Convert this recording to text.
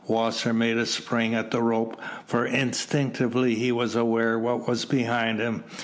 Wasser made a spring at the rope, for instinctively he was aware what was behind him.